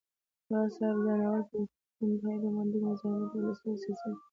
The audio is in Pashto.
راز صاحب دا ناول په لوستلو کي انتهائى رومانتيک، مزاحمتى، فلسفى او سياسى دى